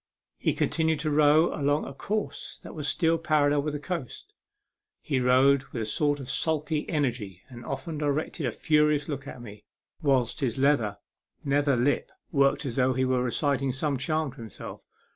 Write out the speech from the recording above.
He continued to row along a course that was still parallel with the coast. He rowed with a sort of sulky energy, and often directed a furious look at me, whilst his leather nether lip worked as though he were reciting some charm to himself.